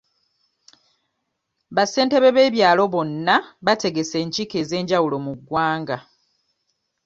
Ba ssentebe b'ebyalo bonna bategese enkiiko ez'enjawulo mu ggwanga.